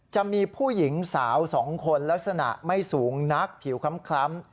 จะมีผู้หญิงสาว๒คนลักษณะไม่สูงนักผิวคล้ำ